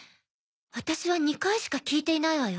私は２回しか聞いていないわよ。